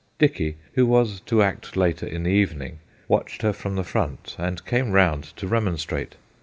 Dicky, who was> to act later in the evening, watched her from the front, and came round to remon strate.